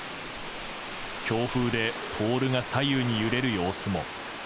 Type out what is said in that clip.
強風でポールが左右に揺れる様子も。